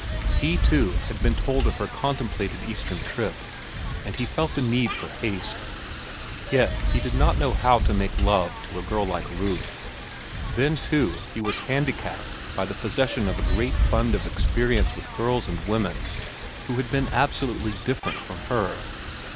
He, too, had been told of her contemplated Eastern trip, and he felt the need for haste. Yet he did not know how to make love to a girl like Ruth. Then, too, he was handicapped by the possession of a great fund of experience with girls and women who had been absolutely different from her.